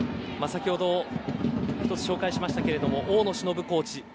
先ほど１つ紹介しましたが大野忍コーチ。